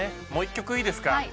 もう１曲いいですか？